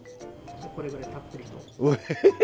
これぐらいたっぷりと。へヘヘ！